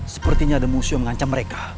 sepertinya ada musuh mengancam mereka